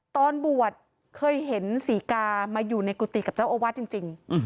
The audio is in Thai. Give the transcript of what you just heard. ตอนบวชเคยเห็นศรีกามาอยู่ในกุฏิกับเจ้าอาวาสจริง